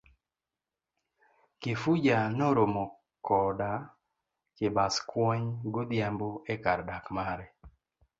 kifuja noromo koda Chebaskwony godhiambo ekar dak mare.